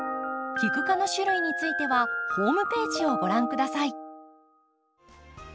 キク科の種類についてはホームページをご覧下さい。